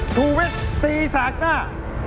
ถูกวิ่งตีแสกหน้า